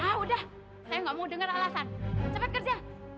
ah udah saya nggak mau dengar alasan cepet kerja